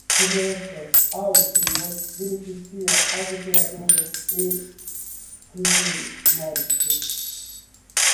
Remessas ao exterior beneficia as operadoras e cruzeiros marítimos